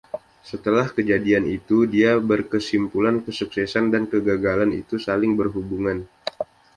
Setelah kejadian itu dia berkesimpulan kesuksesan dan kegagalan itu saling berhubungan.